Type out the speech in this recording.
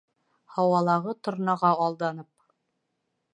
Һауалағы торнаға алданып